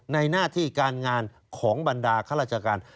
หน้าที่การงานของบรรดาข้าราชการ